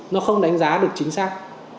nó không đánh giá được chính xác